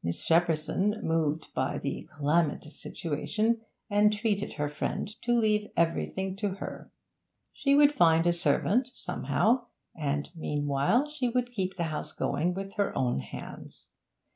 Miss Shepperson, moved by the calamitous situation, entreated her friend to leave everything to her. She would find a servant somehow, and meanwhile would keep the house going with her own hands.